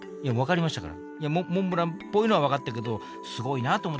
いやモンブランっぽいのは分かったけどすごいなと思って。